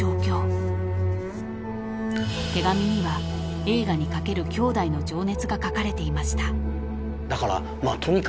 ［手紙には映画に懸ける兄弟の情熱が書かれていました］